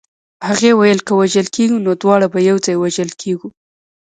هغې ویل که وژل کېږو نو دواړه به یو ځای وژل کېږو